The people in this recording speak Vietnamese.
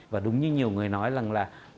và đúng như nhiều người nói rằng là